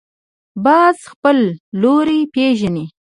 باز خپل لوری پېژني